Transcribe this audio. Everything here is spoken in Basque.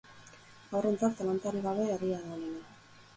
Haurrentzat, zalantzarik gabe, herria da onena.